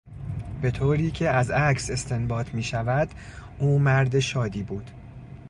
به طوری که از عکس استنباط میشود او مرد شادی بود.